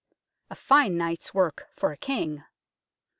A fine night's work for a King